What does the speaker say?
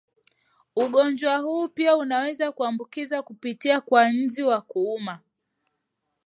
Ugonjwa huu pia unaweza kuambukiza kupitia kwa nzi wa kuuma